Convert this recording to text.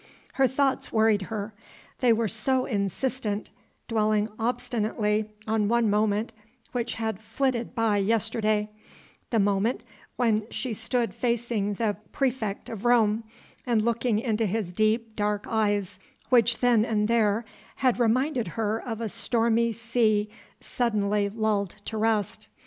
Her thoughts worried her. They were so insistent, dwelling obstinately on one moment which had flitted by yesterday the moment when she stood facing the praefect of Rome, and looking into his deep, dark eyes, which then and there had reminded her of a stormy sea suddenly lulled to rest.